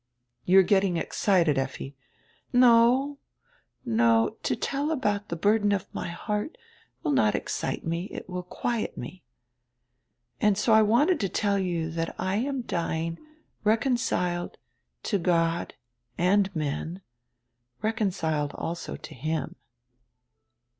"You are getting excited, Effi." "No, no, to tell about die burden of my heart will not excite me, it will quiet me. And so I wanted to tell you diat I am dying reconciled to God and men, reconciled also to him."